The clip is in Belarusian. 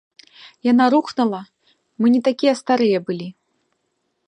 Яна рухнула, мы не такія старыя былі.